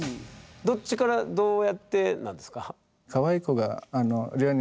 どっちからどうやってなんですか？